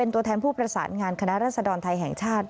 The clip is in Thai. ตัวแทนผู้ประสานงานคณะรัศดรไทยแห่งชาติ